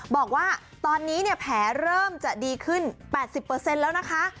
บอกว่าตอนนี้เนี่ยแผลเริ่มจะดีขึ้น๘๐แล้วนะคะ